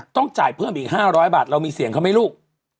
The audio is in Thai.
ต้องจ่ายเพิ่มอีก๕๐๐บาทเรามีเสียงเขาไหมลูก